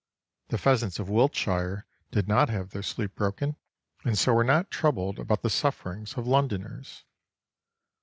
The pheasants of Wiltshire did not have their sleep broken, and so were not troubled about the sufferings of Londoners.